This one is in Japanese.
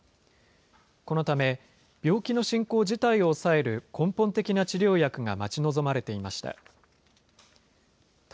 このため、病気の進行自体を抑える根本的な治療薬が待ち望まれていました。